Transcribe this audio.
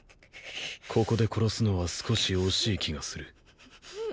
ここで殺すのは少し惜しい気がする。